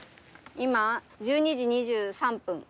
今１２時２３分。